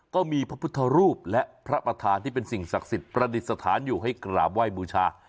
ก็มีพระพุทธรูปและพระประธานที่เป็นสิ่งศักดิ์สิทธิ์ประดิษฐานอยู่ให้กราบไหว้บูชา